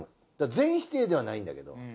全否定ではないんだけど。